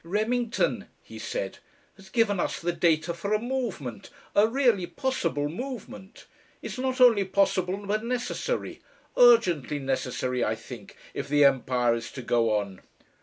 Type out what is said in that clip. "Remington," he said, "has given us the data for a movement, a really possible movement. It's not only possible, but necessary urgently necessary, I think, if the Empire is to go on."